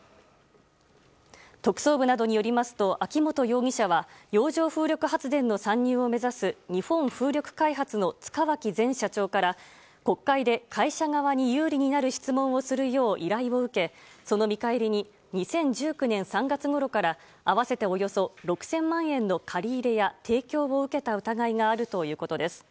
特捜部などによりますと秋本容疑者は洋上風力発電の参入を目指す日本風力開発の塚脇前社長から国会で会社側に有利になる質問をするよう依頼を受けその見返りに２０１９年３月ごろから合わせて、およそ６０００万円の借り入れや提供を受けた疑いがあるということです。